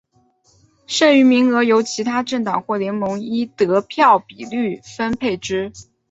剩余名额由其他政党或联盟依得票比率分配之。